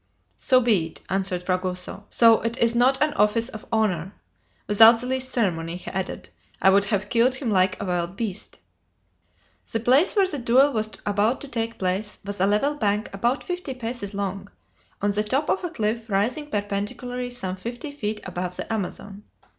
"So be it," answered Fragoso, "though it is not an office of honor. Without the least ceremony," he added, "I would have killed him like a wild beast." The place where the duel was about to take place was a level bank about fifty paces long, on the top of a cliff rising perpendicularly some fifty feet above the Amazon.